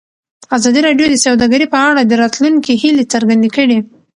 ازادي راډیو د سوداګري په اړه د راتلونکي هیلې څرګندې کړې.